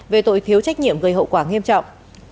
về tội thiếu trách nhiệm gây hậu quả nghiêm trọng